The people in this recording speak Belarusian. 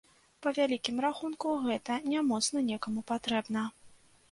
Па вялікім рахунку, гэта не моцна некаму патрэбна.